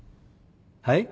はい？